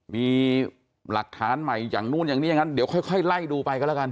มีหลักฐานใหม่อย่างนู้นอย่างนี้อย่างนั้นเดี๋ยวค่อยไล่ดูไปก็แล้วกัน